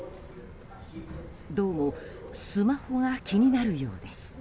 どうもスマホが気になるようです。